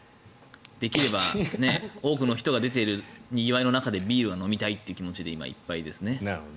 できれば多くの人が出ているにぎわいの中でビールを飲みたいという気持ちで今、いっぱいですね。